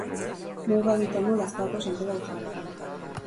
Muga egiten du Lazkaoko Senpere auzoarekin.